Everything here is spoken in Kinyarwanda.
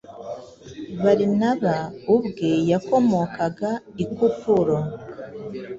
Barinaba ubwe yakomokaga i Kupuro,